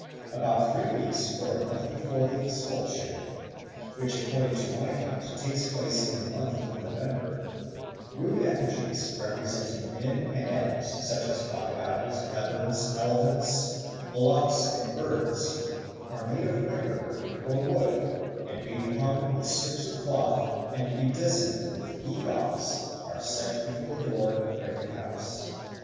About three weeks or a month before the expulsion, which according to one account takes place in the month of November, rude effigies representing men and animals, such as crocodiles, leopards, elephants, bullocks, and birds, are made of wicker work or wood, and being hung with strips of cloth and bedizened with gew gaws, are set before the door of every house.